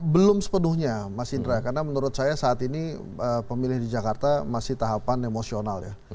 belum sepenuhnya mas indra karena menurut saya saat ini pemilih di jakarta masih tahapan emosional ya